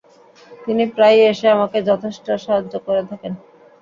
তিনি প্রায়ই এসে আমাকে যথেষ্ট সাহায্য করে থাকেন।